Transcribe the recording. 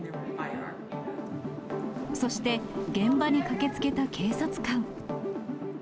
そして、現場に駆けつけた警察官。